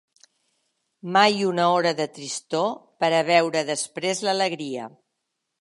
Mai una hora de tristor pera veure després l'alegria